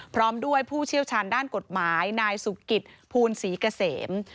พร้อมด้วยผู้เชี่ยวชาญด้านกฎหมายนายสุกิตภูลศรีเกษม